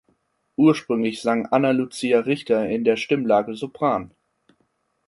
Ursprünglich sang Anna Lucia Richter in der Stimmlage Sopran.